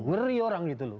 ngeri orang gitu loh